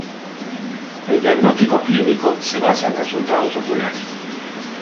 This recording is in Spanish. El diagnóstico clínico se basa en resultados oculares.